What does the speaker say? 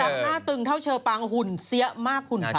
ตั๊กหน้าตึงเท่าเชอปางหุ่นเสี้ยมากหุ่นผัด